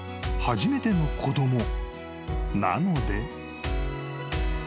［初めての子供なので］